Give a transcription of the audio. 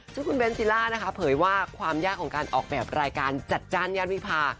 ซึ่งคุณเบนซิล่านะคะเผยว่าความยากของการออกแบบรายการจัดจ้านญาติวิพา